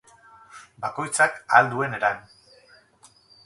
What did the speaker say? Bakoitzak ahal duen eran.